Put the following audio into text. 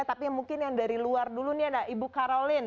tapi mungkin yang dari luar dulu nih ada ibu karolin